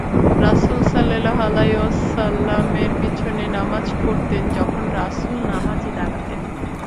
রাসূলুল্লালাহ সাল্লাল্লাহু আলাইহি ওয়াসাল্লামের পিছনে নামায পড়তেন, যখন রাসূল নামাযে দাঁড়াতেন।